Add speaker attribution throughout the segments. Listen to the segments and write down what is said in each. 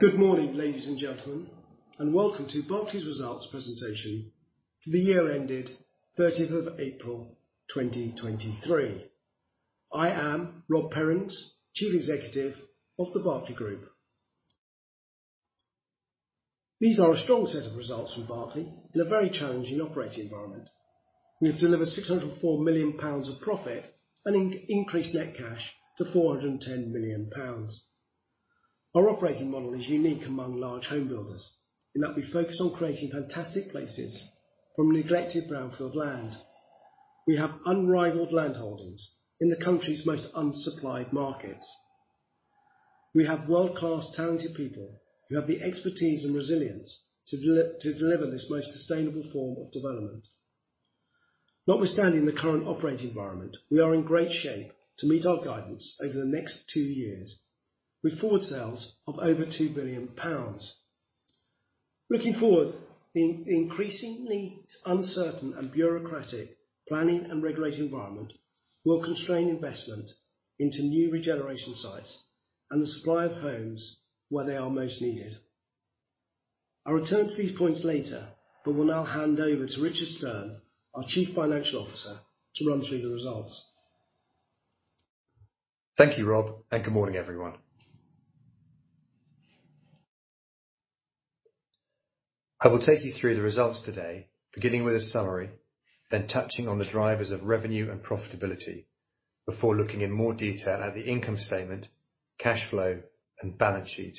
Speaker 1: Good morning, ladies and gentlemen, welcome to Berkeley's results presentation for the year that ended April 30, 2023. I am Rob Perrins, Chief Executive of the Berkeley Group. These are a strong set of results from Berkeley in a very challenging operating environment. We have delivered 604 million pounds of profit and increased net cash to 410 million pounds. Our operating model is unique among large home builders, in that we focus on creating fantastic places from neglected brownfield land. We have unrivaled land holdings in the country's most unsupplied markets. We have world-class talented people who have the expertise and resilience to deliver this most sustainable form of development. Notwithstanding the current operating environment, we are in great shape to meet our guidance over the next two years, with forward sales of over 2 billion pounds. Looking forward, the increasingly uncertain and bureaucratic planning and regulatory environment will constrain investment into new regeneration sites and the supply of homes where they are most needed. I'll return to these points later, will now hand over to Richard Stearn, our Chief Financial Officer, to run through the results.
Speaker 2: Thank you, Rob, good morning, everyone. I will take you through the results today, beginning with a summary, then touching on the drivers of revenue and profitability before looking in more detail at the income statement, cash flow, and balance sheet,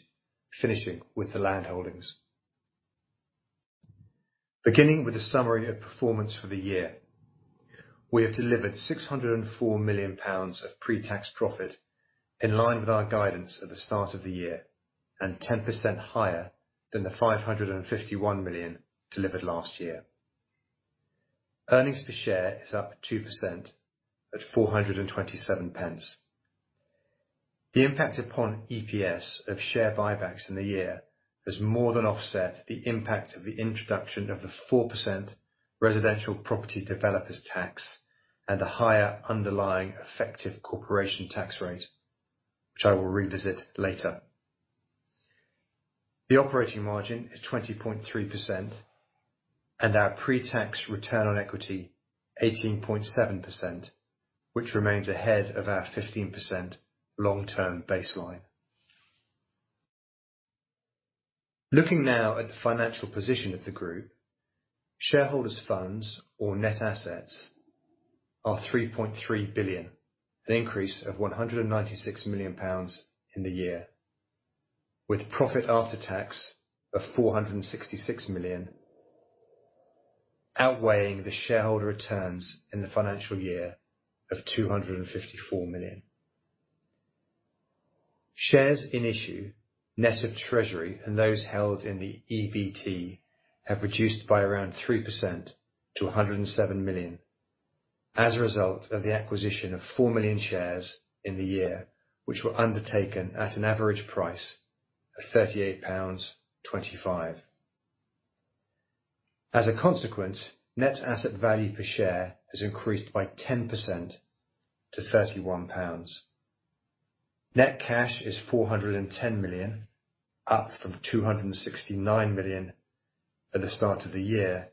Speaker 2: finishing with the land holdings. Beginning with a summary of performance for the year. We have delivered 604 million pounds of pre-tax profit, in line with our guidance at the start of the year, and 10% higher than the 551 million delivered last year. Earnings per share is up 2% at 427 pence. The impact upon EPS of share buybacks in the year has more than offset the impact of the introduction of the 4% Residential Property Developer Tax and a higher underlying effective corporation tax rate, which I will revisit later. The operating margin is 20.3% and our pre-tax return on equity, 18.7%, which remains ahead of our 15% long-term baseline. Looking now at the financial position of the group, shareholders funds or net assets are 3.3 billion, an increase of 196 million pounds in the year, with profit after tax of 466 million, outweighing the shareholder returns in the financial year of 254 million. Shares in issue, net of Treasury and those held in the EBT, have reduced by around 3% to 107 million as a result of the acquisition of 4 million shares in the year, which were undertaken at an average price of 38.25 pounds. As a consequence, net asset value per share has increased by 10% to 31 pounds. Net cash is 410 million, up from 269 million at the start of the year.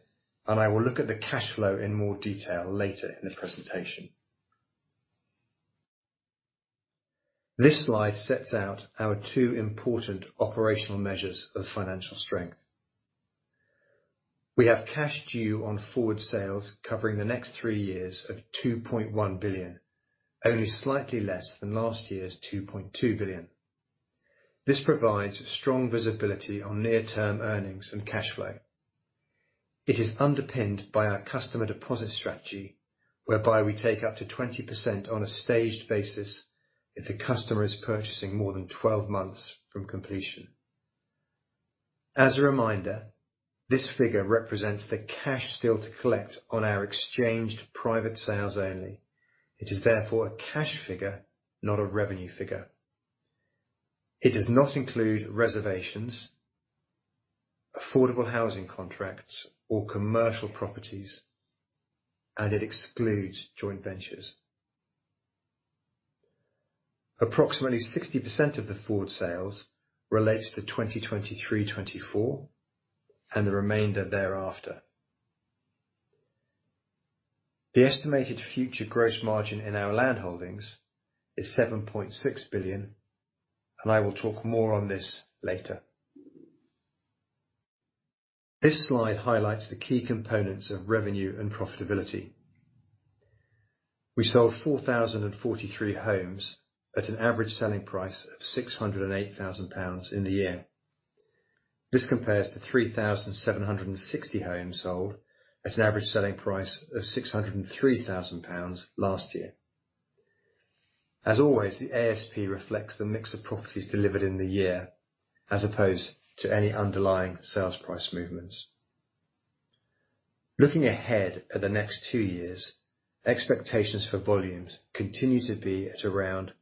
Speaker 2: I will look at the cash flow in more detail later in the presentation. This slide sets out our two important operational measures of financial strength. We have cash due on forward sales covering the next three years of 2.1 billion, only slightly less than last year's 2.2 billion. This provides strong visibility on near-term earnings and cash flow. It is underpinned by our customer deposit strategy, whereby we take up to 20% on a staged basis if the customer is purchasing more than 12 months from completion. As a reminder, this figure represents the cash still to collect on our exchanged private sales only. It is therefore a cash figure, not a revenue figure. It does not include reservations, affordable housing contracts, or commercial properties. It excludes joint ventures. Approximately 60% of the forward sales relate to the 2023, 2024, and the remainder thereafter. The estimated future gross margin in our land holdings is 7.6 billion. I will talk more on this later. This slide highlights the key components of revenue and profitability. We sold 4,043 homes at an average selling price of 608,000 pounds in the year. This compares to 3,760 homes sold at an average selling price of 603,000 pounds last year. As always, the ASP reflects the mix of properties delivered in the year, as opposed to any underlying sales price movements. Looking ahead at the next two years, expectations for volumes continue to be at around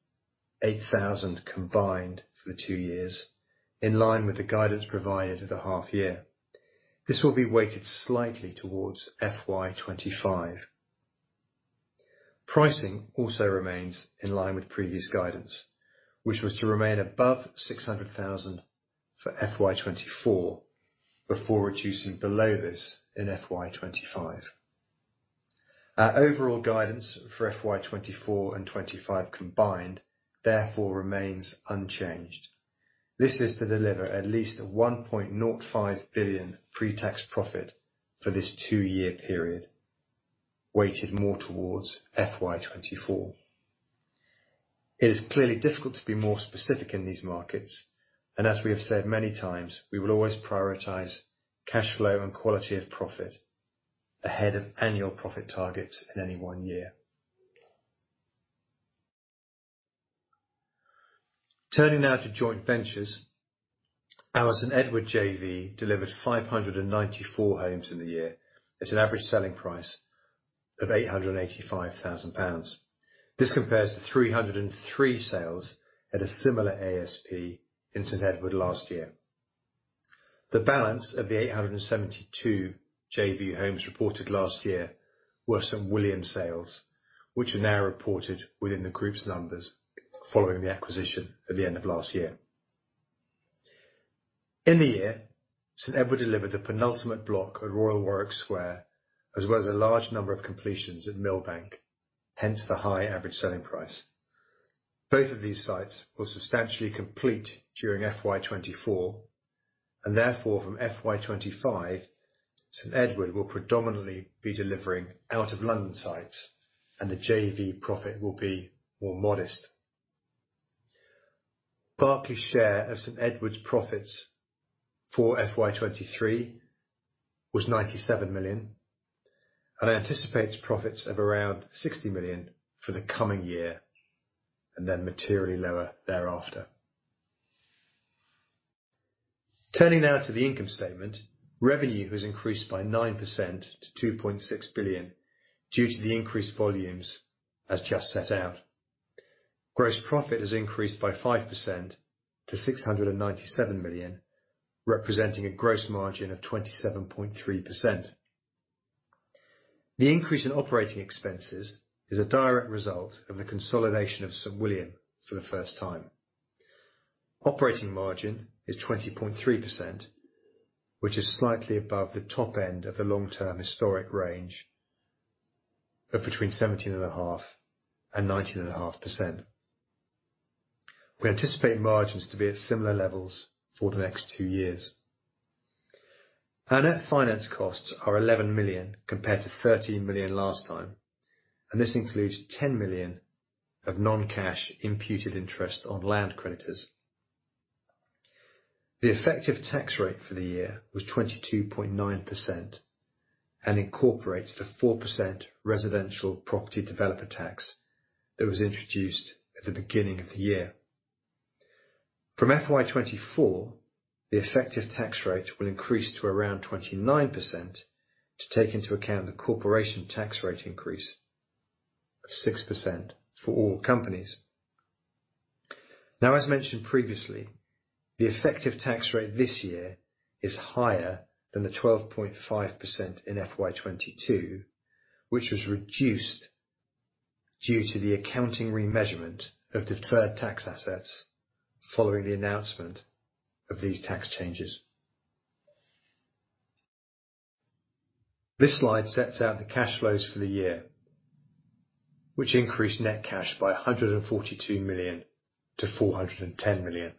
Speaker 2: 8,000 combined for the 2 years, in line with the guidance provided at the half year. This will be weighted slightly towards FY 2025. pricing also remains in line with previous guidance, which was to remain above 600,000 for FY 2024, before reducing below this in FY 2025. Our overall guidance for FY 2024 and 2025 combined, therefore, remains unchanged. This is to deliver at least a 1.05 billion pre-tax profit for this 2-year period, weighted more towards FY 2024. It is clearly difficult to be more specific in these markets, and as we have said many times, we will always prioritize cash flow and quality of profit ahead of annual profit targets in any one year. Turning now to joint ventures. Our St Edward JV delivered 594 homes in the year, at an average selling price of 885,000 pounds. This compares to 303 sales at a similar ASP in St Edward last year. The balance of the 872 JV homes reported last year were St William sales, which are now reported within the group's numbers following the acquisition at the end of last year. In the year, St Edward delivered the penultimate block at Royal Warwick Square, as well as a large number of completions at Millbank, hence the high average selling price. Both of these sites will substantially complete during FY 2024, and therefore, from FY 2025, St Edward will predominantly be delivering out of London sites and the JV profit will be more modest. Berkeley's share of St Edward's profits for FY 2023 was 97 million, and anticipates profits of around 60 million for the coming year, and then materially lower thereafter. Turning now to the income statement. Revenue has increased by 9% to 2.6 billion due to the increased volumes as just set out. Gross profit has increased by 5% to 697 million, representing a gross margin of 27.3%. The increase in operating expenses is a direct result of the consolidation of St William for the first time. Operating margin is 20.3%, which is slightly above the top end of the long-term historic range of between 17.5% and 19.5%. We anticipate margins to be at similar levels for the next two years. Our net finance costs are 11 million, compared to 13 million last time, and this includes 10 million of non-cash imputed interest on land creditors. The effective tax rate for the year was 22.9% and incorporates the 4% Residential Property Developer Tax that was introduced at the beginning of the year. From FY 2024, the effective tax rate will increase to around 29%, to take into account the corporation tax rate increase of 6% for all companies. As mentioned previously, the effective tax rate this year is higher than the 12.5% in FY 2022, which was reduced due to the accounting remeasurement of deferred tax assets following the announcement of these tax changes. This slide sets out the cash flows for the year, which increased net cash by 142 million to 410 million.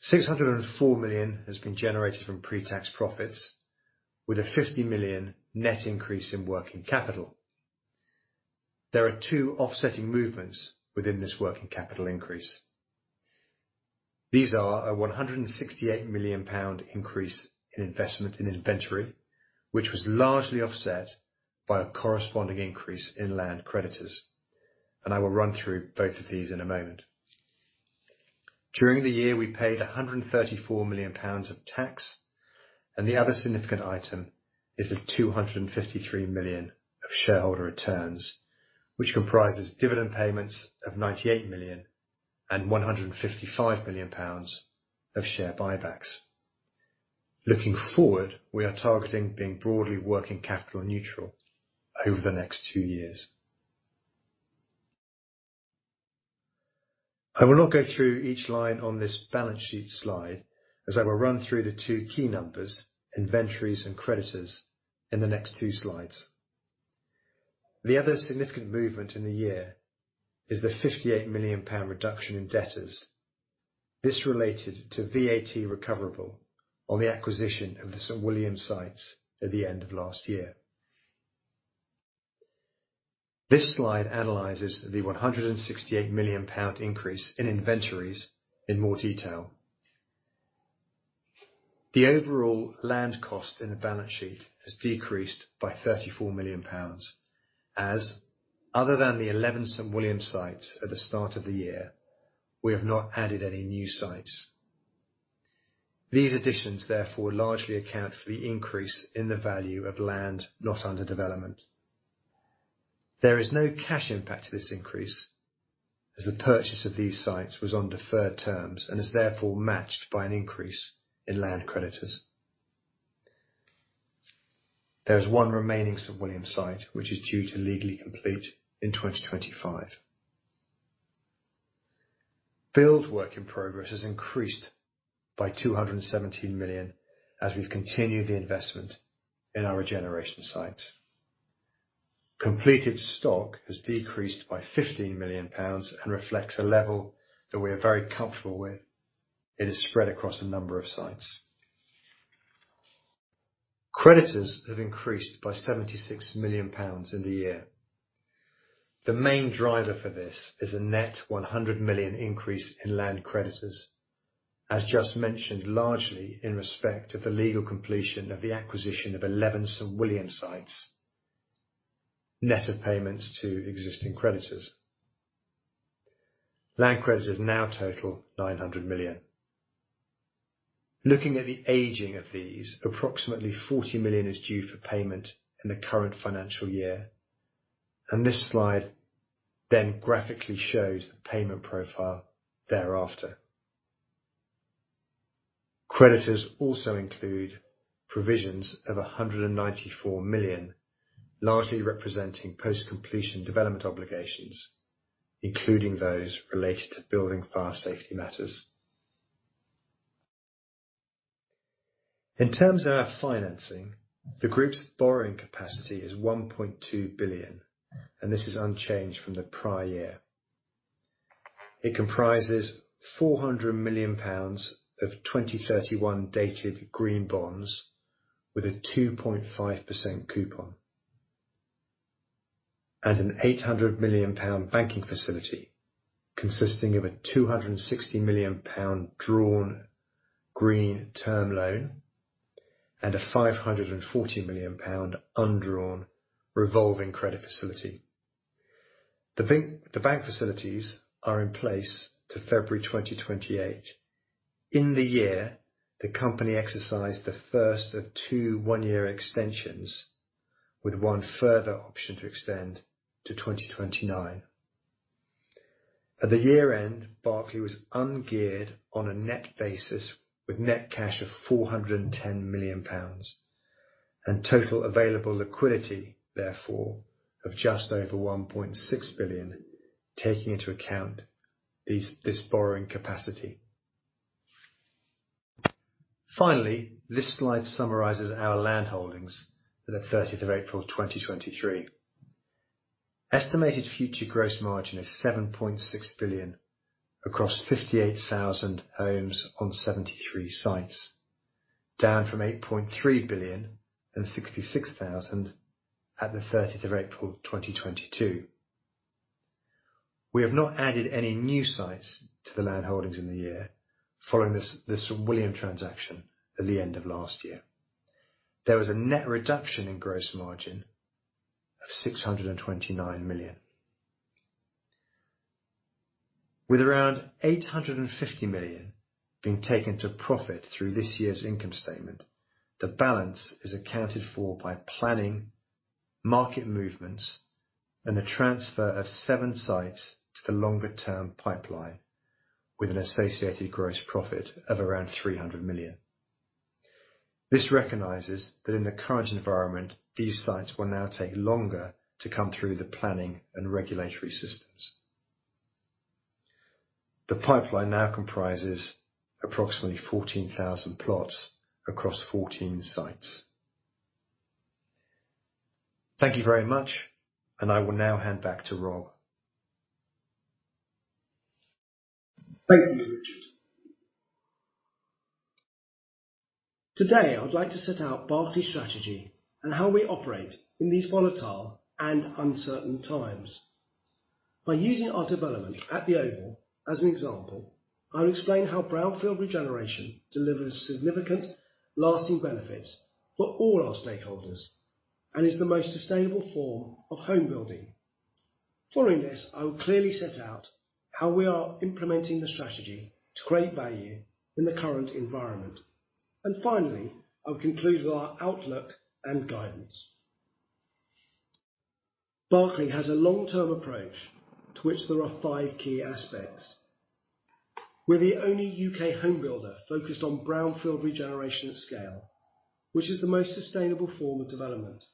Speaker 2: 604 million has been generated from pre-tax profits, with a 50 million net increase in working capital. There are two offsetting movements within this working capital increase. These are a 168 million pound increase in investment in inventory, which was largely offset by a corresponding increase in land creditors. I will run through both of these in a moment. During the year, we paid 134 million pounds of tax. The other significant item is the 253 million of shareholder returns, which comprises dividend payments of 98 million and 155 million pounds of share buybacks. Looking forward, we are targeting being broadly working capital neutral over the next two years. I will not go through each line on this balance sheet slide, as I will run through the two key numbers, inventories and creditors, in the next 2 slides. The other significant movement in the year is the 58 million pound reduction in debtors. This related to VAT recoverable on the acquisition of the St William sites at the end of last year. This slide analyzes the 168 million pound increase in inventories in more detail. The overall land cost in the balance sheet has decreased by 34 million pounds, as other than the 11 St William sites at the start of the year, we have not added any new sites. These additions, therefore, largely account for the increase in the value of land not under development. There is no cash impact to this increase, as the purchase of these sites was on deferred terms and is therefore matched by an increase in land creditors. There's one remaining St William site, which is due to legally complete in 2025. Build work in progress has increased by 217 million, as we've continued the investment in our regeneration sites. Completed stock has decreased by 15 million pounds and reflects a level that we are very comfortable with. It is spread across a number of sites. Creditors have increased by 76 million pounds in the year. The main driver for this is a net 100 million increase in land creditors, as just mentioned, largely in respect of the legal completion of the acquisition of 11 St William sites, net of payments to existing creditors. Land creditors now total 900 million. Looking at the aging of these, approximately 40 million is due for payment in the current financial year, and this slide then graphically shows the payment profile thereafter. Creditors also include provisions of 194 million, largely representing post-completion development obligations, including those related to building fire safety matters. In terms of our financing, the group's borrowing capacity is 1.2 billion, and this is unchanged from the prior year. It comprises 400 million pounds of 2031 dated Green Bonds with a 2.5% coupon, and a 800 million pound banking facility, consisting of a 260 million pound drawn green term loan and a 540 million pound undrawn revolving credit facility. The bank facilities are in place to February 2028. In the year, the company exercised the first of two one-year extensions, with one further option to extend to 2029. At the year-end, Berkeley was ungeared on a net basis, with net cash of 410 million pounds, and total available liquidity, therefore, of just over 1.6 billion, taking into account this borrowing capacity. This slide summarizes our land holdings at the 30th of April, 2023. Estimated future gross margin is 7.6 billion across 58,000 homes on 73 sites, down from 8.3 billion and 66,000 at the 30th of April, 2022. We have not added any new sites to the land holdings in the year following the St. William transaction at the end of last year. There was a net reduction in gross margin of 629 million. With around 850 million being taken to profit through this year's income statement, the balance is accounted for by planning, market movements, and the transfer of seven sites to the longer-term pipeline, with an associated gross profit of around 300 million. This recognizes that in the current environment, these sites will now take longer to come through the planning and regulatory systems. The pipeline now comprises approximately 14,000 plots across 14 sites. Thank you very much, and I will now hand back to Rob.
Speaker 1: Thank you, Richard. Today, I'd like to set out Berkeley's strategy and how we operate in these volatile and uncertain times. By using our development at The Oval as an example, I'll explain how brownfield regeneration delivers significant, lasting benefits for all our stakeholders and is the most sustainable form of home building. Following this, I will clearly set out how we are implementing the strategy to create value in the current environment. Finally, I'll conclude with our outlook and guidance. Berkeley has a long-term approach, to which there are five key aspects. We're the only U.K. home builder focused on brownfield regeneration at scale, which is the most sustainable form of development.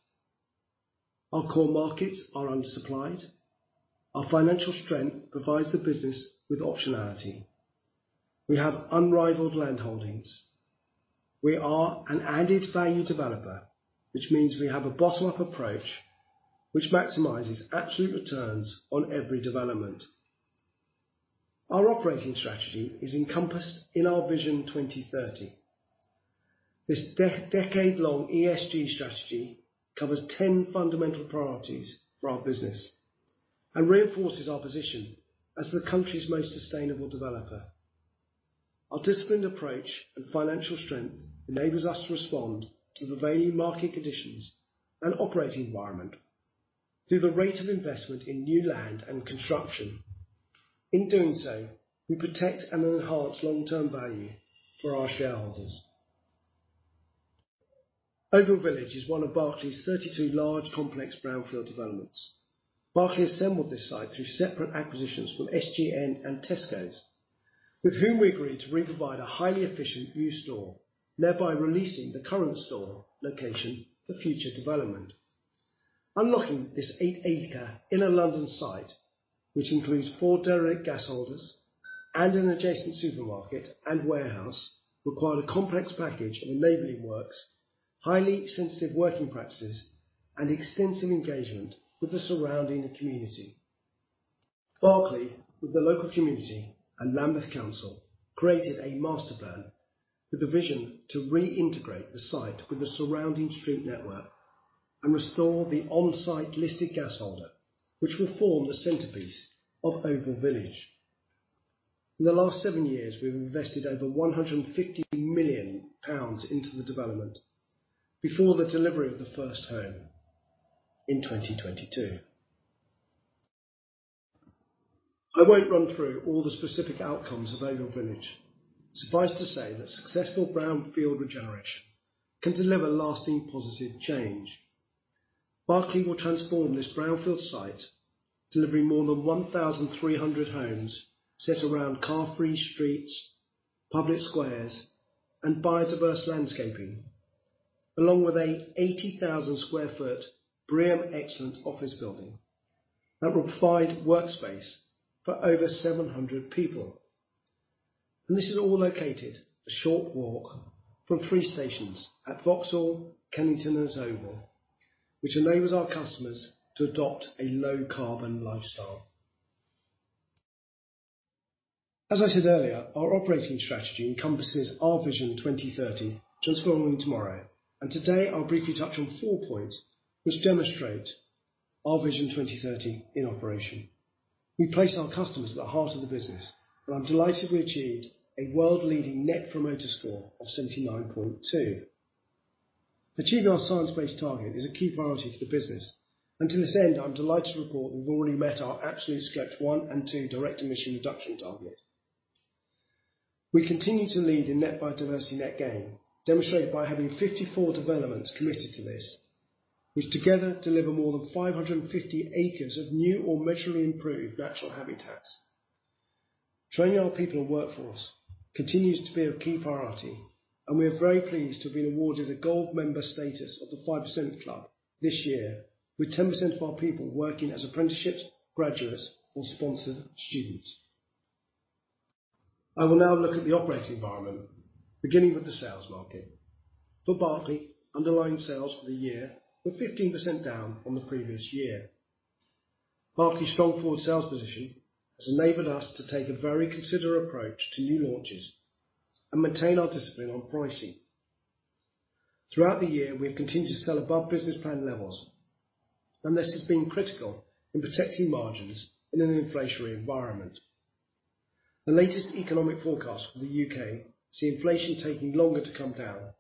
Speaker 1: Our core markets are undersupplied. Our financial strength provides the business with optionality. We have unrivaled land holdings. We are an added value developer, which means we have a bottom-up approach, which maximizes absolute returns on every development. Our operating strategy is encompassed in Our Vision 2030. This decade-long ESG strategy covers 10 fundamental priorities for our business and reinforces our position as the country's most sustainable developer. Our disciplined approach and financial strength enables us to respond to the varying market conditions and operating environment through the rate of investment in new land and construction. In doing so, we protect and enhance long-term value for our shareholders. Oval Village is one of Berkeley's 32 large, complex brownfield developments. Berkeley assembled this site through separate acquisitions from SGN and Tesco. with whom we agreed to reprovide a highly efficient new store, thereby releasing the current store location for future development. Unlocking this eight-acre inner London site, which includes four derelict gas holders and an adjacent supermarket and warehouse, required a complex package of enabling works, highly sensitive working practices, and extensive engagement with the surrounding community. Berkeley, with the local community and Lambeth Council, created a master plan with a vision to reintegrate the site with the surrounding street network and restore the on-site listed gas holder, which will form the centerpiece of Oval Village. In the last seven years, we've invested over 150 million pounds into the development before the delivery of the first home in 2022. I won't run through all the specific outcomes of Oval Village. Suffice to say that successful brownfield regeneration can deliver lasting, positive change. Berkeley will transform this brownfield site, delivering more than 1,300 homes set around car-free streets, public squares, and biodiverse landscaping, along with a 80,000 sq ft BREEAM excellent office building that will provide workspace for over 700 people. This is all located a short walk from three stations at Vauxhall, Kennington, and Oval, which enables our customers to adopt a low-carbon lifestyle. As I said earlier, our operating strategy encompasses Our Vision 2030, Transforming Tomorrow, and today I'll briefly touch on four points which demonstrate Our Vision 2030 in operation. We place our customers at the heart of the business, and I'm delighted we achieved a world-leading Net Promoter Score of 79.2. Achieving our science-based target is a key priority for the business, and to this end, I'm delighted to report we've already met our absolute Scope 1 and 2 direct emission reduction target. We continue to lead in net biodiversity net gain, demonstrated by having 54 developments committed to this, which together deliver more than 550 acres of new or measurably improved natural habitats. Training our people and workforce continues to be a key priority, and we are very pleased to have been awarded a gold member status of the 5% Club this year, with 10% of our people working as apprenticeships, graduates, or sponsored students. I will now look at the operating environment, beginning with the sales market. For Berkeley, underlying sales for the year were 15% down from the previous year. Berkeley's strong forward sales position has enabled us to take a very considered approach to new launches and maintain our discipline on pricing. Throughout the year, we have continued to sell above business plan levels, and this has been critical in protecting margins in an inflationary environment. The latest economic forecast for the U.K. see inflation taking longer to come down,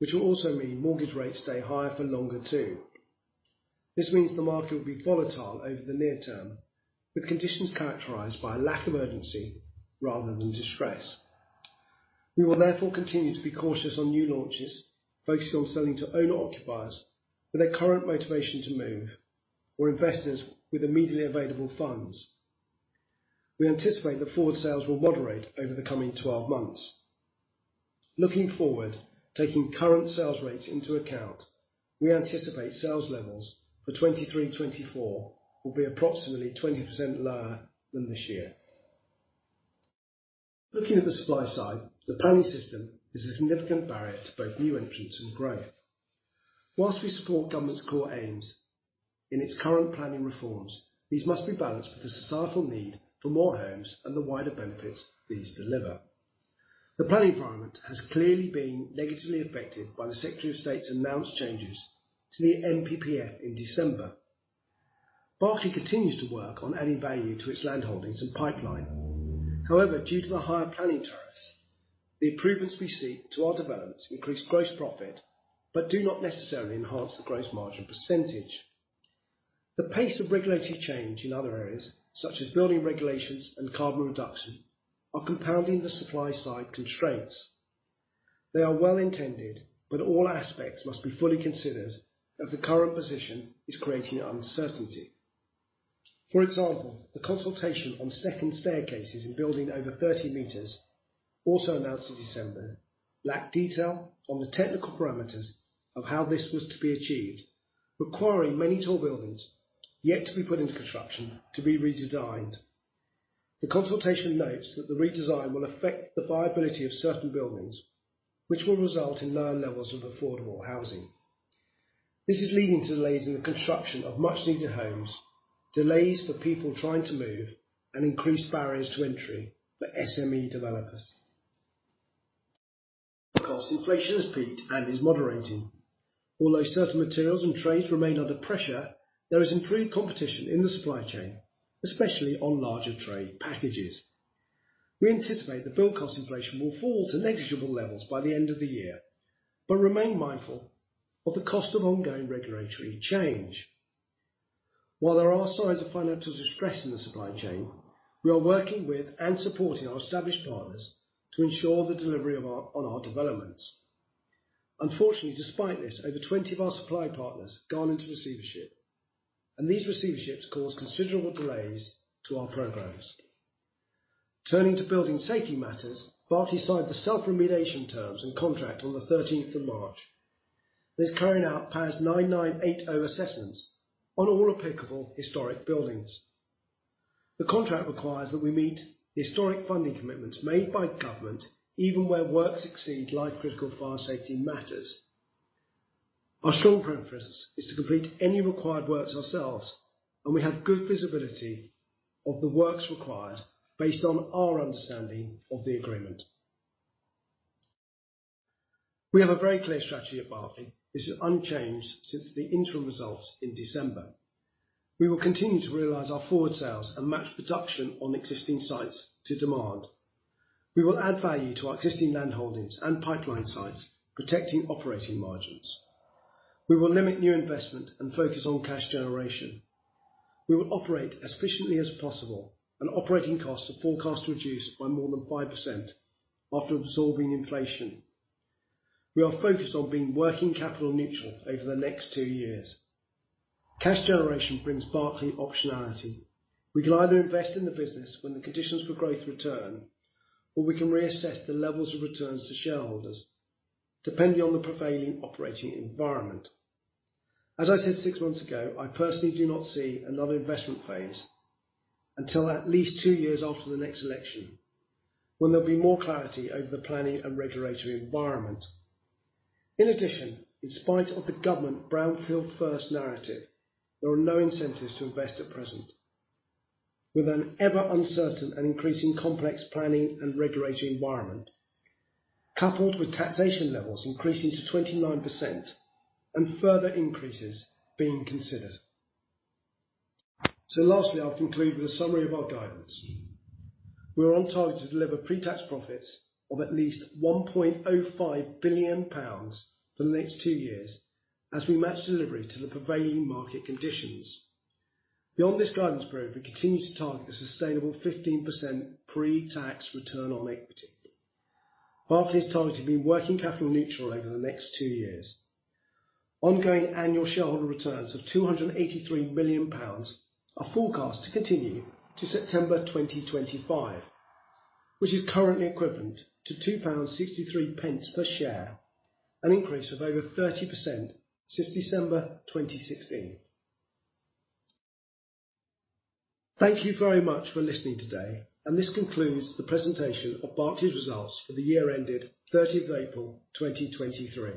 Speaker 1: which will also mean mortgage rates stay higher for longer, too. This means the market will be volatile over the near term, with conditions characterized by a lack of urgency rather than distress. We will therefore continue to be cautious on new launches, focusing on selling to owner-occupiers with their current motivation to move, or investors with immediately available funds. We anticipate that forward sales will moderate over the coming 12 months. Looking forward, taking current sales rates into account, we anticipate sales levels for 2023, 2024 will be approximately 20% lower than this year. Looking at the supply side, the planning system is a significant barrier to both new entrants and growth. Whilst we support government's core aims in its current planning reforms, these must be balanced with the societal need for more homes and the wider benefits these deliver. The planning environment has clearly been negatively affected by the Secretary of State's announced changes to the NPPF in December. Berkeley continues to work on adding value to its land holdings and pipeline. Due to the higher planning tariffs, the improvements we seek to our developments increase gross profit, but do not necessarily enhance the gross margin percentage. The pace of regulatory change in other areas, such as building regulations and carbon reduction, are compounding the supply-side constraints. They are well-intended, but all aspects must be fully considered as the current position is creating uncertainty. For example, the consultation on second staircases in building over 30 meters, also announced in December, lacked detail on the technical parameters of how this was to be achieved, requiring many tall buildings yet to be put into construction to be redesigned. The consultation notes that the redesign will affect the viability of certain buildings, which will result in lower levels of affordable housing. This is leading to delays in the construction of much-needed homes, delays for people trying to move, and increased barriers to entry for SME developers. Cost inflation has peaked and is moderating. Although certain materials and trades remain under pressure, there is improved competition in the supply chain, especially on larger trade packages. We anticipate the build cost inflation will fall to negligible levels by the end of the year, but remain mindful of the cost of ongoing regulatory change. While there are signs of financial distress in the supply chain, we are working with and supporting our established partners to ensure the delivery on our developments. Unfortunately, despite this, over 20 of our supply partners have gone into receivership. These receiverships caused considerable delays to our programs. Turning to building safety matters, Berkeley signed the Self-Remediation Terms and contract on the 13th of March. This carrying out PAS 9980 assessments on all applicable historic buildings. The contract requires that we meet the historic funding commitments made by government, even where works exceed life-critical fire safety matters. Our strong preference is to complete any required works ourselves, and we have good visibility of the works required based on our understanding of the agreement. We have a very clear strategy at Berkeley. This is unchanged since the interim results in December. We will continue to realize our forward sales and match production on existing sites to demand. We will add value to our existing land holdings and pipeline sites, protecting operating margins. We will limit new investment and focus on cash generation. We will operate as efficiently as possible, and operating costs are forecast to reduce by more than 5% after absorbing inflation. We are focused on being working capital neutral over the next two years. Cash generation brings Berkeley optionality. We can either invest in the business when the conditions for growth return, or we can reassess the levels of returns to shareholders, depending on the prevailing operating environment. As I said six months ago, I personally do not see another investment phase until at least two years after the next election, when there'll be more clarity over the planning and regulatory environment. In addition, in spite of the government brownfield first narrative, there are no incentives to invest at present. With an ever uncertain and increasing complex planning and regulatory environment, coupled with taxation levels increasing to 29% and further increases being considered. Lastly, I'll conclude with a summary of our guidance. We are on target to deliver pre-tax profits of at least 1.05 billion pounds for the next two years as we match delivery to the prevailing market conditions. Beyond this guidance period, we continue to target a sustainable 15% pre-tax return on equity. Berkeley is targeted to be working capital neutral over the next two years. Ongoing annual shareholder returns of GBP 283 million are forecast to continue to September 2025, which is currently equivalent to 2.63 pounds per share, an increase of over 30% since December 2016. Thank you very much for listening today. This concludes the presentation of Berkeley's results for the year ended 30th of April, 2023.